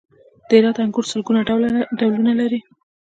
د هرات انګور سلګونه ډولونه لري.